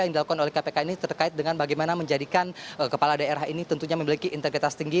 yang dilakukan oleh kpk ini terkait dengan bagaimana menjadikan kepala daerah ini tentunya memiliki integritas tinggi